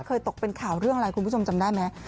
ตกเป็นข่าวเรื่องอะไรคุณผู้ชมจำได้ไหม